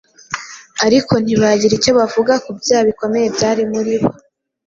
ariko ntibagira icyo bavuga ku byaha bikomeye byari muri bo.